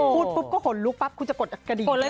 พูดปุ๊บก็ขนลุกปั๊บคุณจะกดกระดิ่งเลย